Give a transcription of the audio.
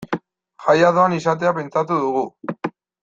Jaia doan izatea pentsatu dugu.